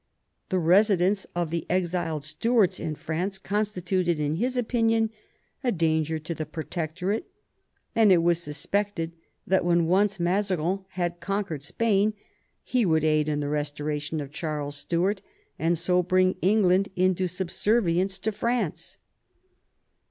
The residence of the exiled Stuarts in France constituted in his opinion a danger to the Protectorate, and it was suspected that when once Mazarin had con quered Spain he would aid in the restoration of Charles Stuart, and so bring England into subservience to France.